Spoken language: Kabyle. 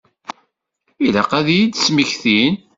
Ilaq ad iyi-d-smektin.